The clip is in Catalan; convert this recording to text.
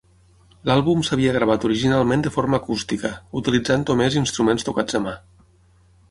L'àlbum s'havia gravat originalment de forma acústica, utilitzant només instruments tocats a mà.